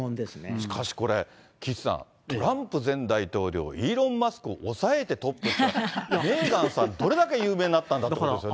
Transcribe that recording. しかしこれ、岸さん、トランプ前大統領、イーロン・マスクをおさえてトップっていうのは、メーガンさん、どれだけ有名になったんだって感じですよね。